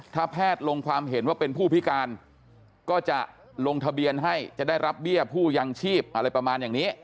ถ้าแพทย์ลงความเห็นว่าเป็นผู้พิการก็จะลงทะเบียนให้จะได้รับเบี้ยผู้ยังชีพอะไรประมาณอย่างนี้